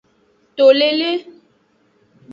To lele.